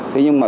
thế nhưng mà